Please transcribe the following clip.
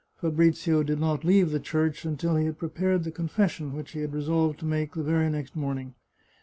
Fabrizio did not leave the church until he had prepared the confession which he had resolved to make the very next morning.